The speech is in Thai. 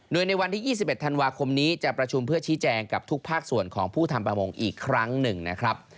โดยในวันที่๒๑ธันวาคมนี้จะประชุมเพื่อชี้แจงกับทุกภาคส่วนของผู้ทำประมงอีกครั้งหนึ่งนะครับ